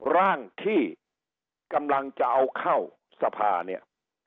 ร่างที่กำลังจะเอาเข้าสภาเนี่ย